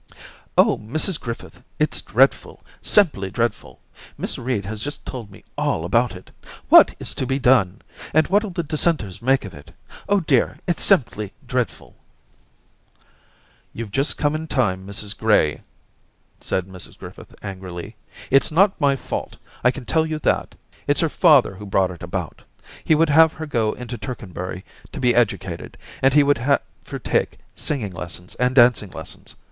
*Oh, Mrs Griffith, it's dreadful! simply dreadful! Miss Reed has just told me all about It. What is to be done ? And what'U the dissenters make of it ? Oh, dear, it's simply dreadful !'* You've just come in time, Mrs Gray,' 232 Orientations said Mrs Griffith, angrily. * It's not my fault, I can tell you that. It's her father who's brought it about. He would have her go into Tercanbury to be educated, and he would have her take singing lessons and dancing lessons.